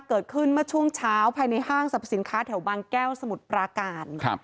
เกิดขึ้นเมื่อช่วงเช้าภายในห้างสรรพสินค้าแถวบางแก้วสมุทรปราการครับ